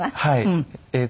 はい。